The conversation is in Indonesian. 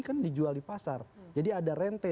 kan dijual di pasar jadi ada rente